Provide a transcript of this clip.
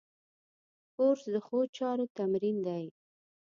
کورس د ښو چارو تمرین دی.